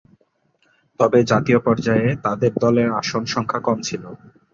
তবে জাতীয় পর্যায়ে তাদের দলের আসন সংখ্যা কম ছিল।